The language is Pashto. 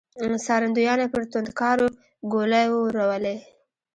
څارندويانو پر توندکارو ګولۍ وورولې.